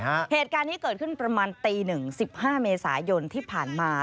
เหตุการณ์นี้เกิดขึ้นประมาณตีหนึ่งสิบห้าเมษายนที่ผ่านมา